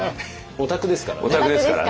オタクですからね。